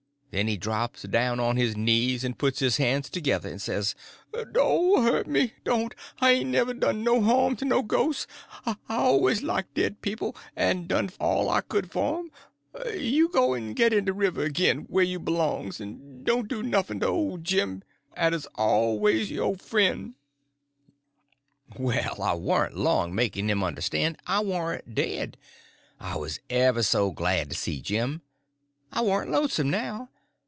Then he drops down on his knees, and puts his hands together and says: "Doan' hurt me—don't! I hain't ever done no harm to a ghos'. I alwuz liked dead people, en done all I could for 'em. You go en git in de river agin, whah you b'longs, en doan' do nuffn to Ole Jim, 'at 'uz awluz yo' fren'." Well, I warn't long making him understand I warn't dead. I was ever so glad to see Jim. I warn't lonesome now.